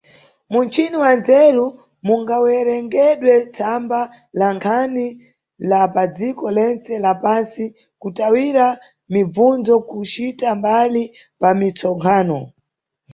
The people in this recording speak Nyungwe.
Mumchini wa nzeru mungawerengedwe tsamba la nkhani la padziko lentse la pantsi kutawira mibvunzo kucita mbali pa mitsonkhano.